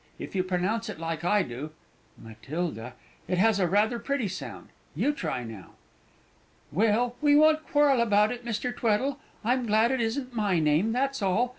If you pronounce it like I do, Matilda, it has rather a pretty sound. You try now." "Well, we won't quarrel about it, Mr. Tweddle; I'm glad it isn't my name, that's all.